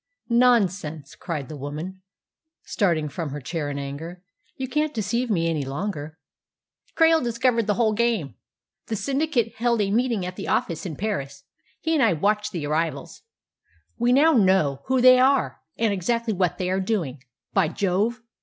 "Nonsense!" cried the woman, starting from her chair in anger. "You can't deceive me any longer." "Krail has discovered the whole game. The syndicate held a meeting at the office in Paris. He and I watched the arrivals. We now know who they are, and exactly what they are doing. By Jove!